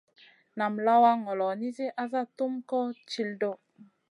Nam lawa ŋolo nizi asa tum koh til ɗoʼ.